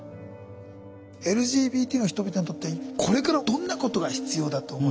ＬＧＢＴの人々にとってこれからどんなことが必要だと思われますか？